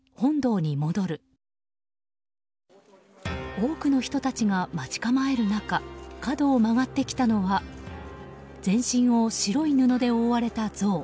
多くの人たちが待ち構える中角を曲がってきたのは全身を白い布で覆われた像。